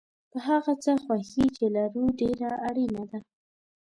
په هغه څه خوښي چې لرو ډېره اړینه ده.